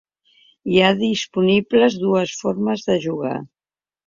Hi ha disponibles dues formes de jugar.